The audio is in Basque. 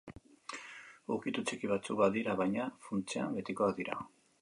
Ukitu txiki batzuk badira, baina, funtsean betikoak dira.